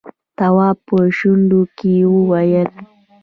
تواب په شونډو کې وويل: